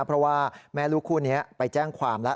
เพราะว่าแม่ลูกคู่นี้ไปแจ้งความแล้ว